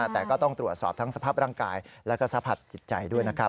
แต่ก็ต้องตรวจสอบทั้งสภาพร่างกายและก็สัมผัสจิตใจด้วยนะครับ